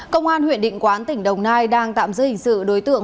công an huyện định quán tỉnh đồng nai đang tạm giữ hình sự đối tượng